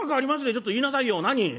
ちょっと言いなさいよ。何？」。